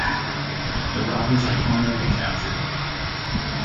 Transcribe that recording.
The robbers are cornered and captured.